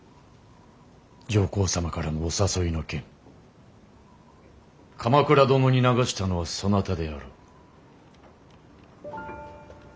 上皇様からのお誘いの件鎌倉殿に流したのはそなたであろう。